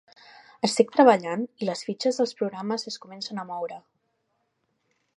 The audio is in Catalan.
Estic treballant i les fitxes dels programes es començen a moure.